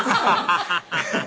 アハハハ！